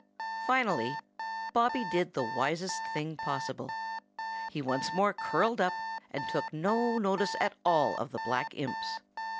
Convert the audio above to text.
Finally Bobby did the wisest thing possible. He once more curled up and took no notice at all of the black imps.